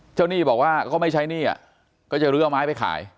หนี้บอกว่าก็ไม่ใช้หนี้ก็จะลื้อเอาไม้ไปขาย